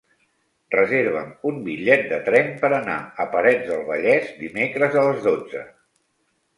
Reserva'm un bitllet de tren per anar a Parets del Vallès dimecres a les dotze.